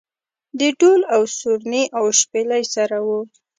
له ډول و سورني او شپېلۍ سره و.